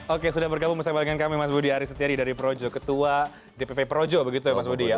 oke sudah bergabung bersama dengan kami mas budi aris setiadi dari projo ketua dpp projo begitu ya mas budi ya